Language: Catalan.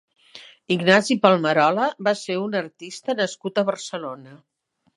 Ignasi Palmerola va ser un artista nascut a Barcelona.